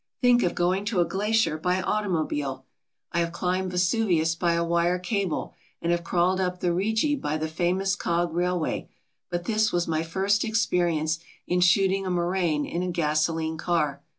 Think of going to a glacier by automobile! I have climbed Vesuvius by a wire cable and have crawled up the Rigi by the famous cog railway, but this was my first experience in shooting a moraine in a gasoline car.